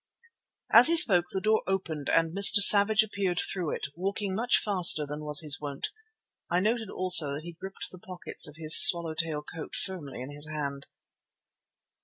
As he spoke the door opened and Mr. Savage appeared through it, walking much faster than was his wont. I noted also that he gripped the pockets of his swallow tail coat firmly in his hand.